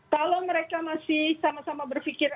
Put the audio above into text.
kalau mereka masih sama sama berpikir